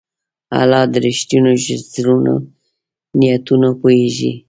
الله د رښتینو زړونو نیتونه پوهېږي.